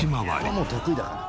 これもう得意だから。